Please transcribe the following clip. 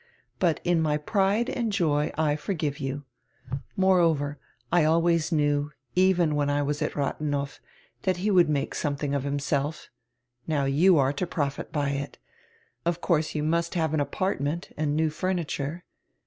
But in my pride and joy I forgive you. Moreover, I always knew, even when I was at Radienow, diat he would make somediing of himself. Now you are to profit by it. Of course you must have an apartment and new furniture.